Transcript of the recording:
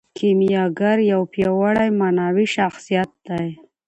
کیمیاګر یو پیاوړی معنوي شخصیت دی.